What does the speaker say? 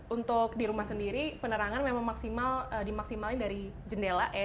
untuk di rumah sendiri penerangan memang dimaksimalin dari jendela ya